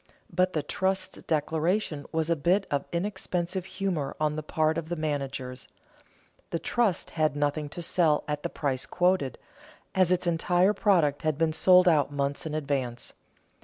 But the trust's declaration was a bit of inexpensive humor on the part of the managers; the trust had nothing to sell at the price quoted, as its entire product had been sold out months in advance.